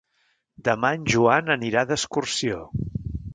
Demà en Joan anirà d'excursió.